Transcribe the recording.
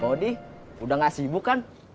pak odi udah nggak sibuk kan